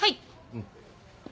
うん。